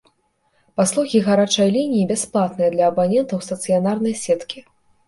Паслугі гарачай лініі бясплатныя для абанентаў стацыянарнай сеткі.